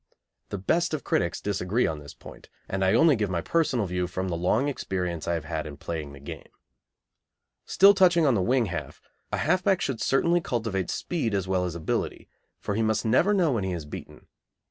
The best of critics disagree on this point, and I only give my own personal view from the long experience I have had in playing the game. Still touching on the wing half, a half back should certainly cultivate speed as well as ability, for he must never know when he is beaten.